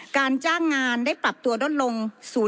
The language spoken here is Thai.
การจ้างงานได้ปรับตัวลดลง